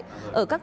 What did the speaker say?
ở các tỉnh đắk lắk